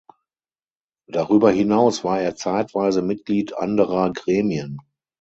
Darüber hinaus war er zeitweise Mitglied anderer Gremien.